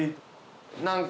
何か。